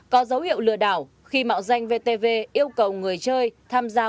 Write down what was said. có dấu hiệu lừa đảo khi mạo danh vtv yêu cầu người chơi tham gia